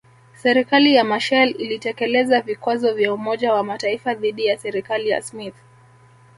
Serikali ya Machel ilitekeleza vikwazo vya Umoja wa Mataifa dhidi ya serikali ya Smith